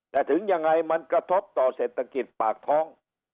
แต่ถึงยังไงมันกระทบต่อเศรษฐกิจปากท้อง